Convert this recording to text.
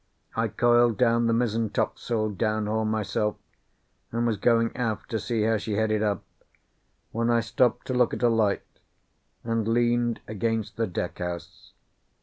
I coiled down the mizzen topsail downhaul myself, and was going aft to see how she headed up, when I stopped to look at a light, and leaned against the deck house.